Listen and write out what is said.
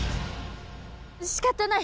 しかたない。